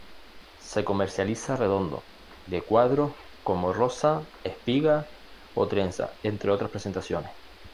Se comercializa redondo, de cuadros, como rosca, espigas o trenzas, entre otras presentaciones.